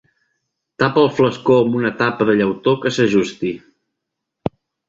Tapa el flascó amb una tapa de llautó que s'ajusti.